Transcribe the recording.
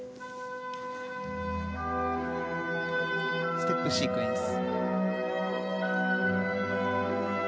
ステップシークエンス。